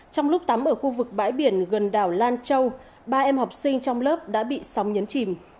trong lúc tắm ở khu vực bãi biển gần đảo lan châu ba em học sinh trong lớp đã bị sóng nhấn chìm